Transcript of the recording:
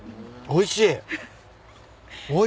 おいしい。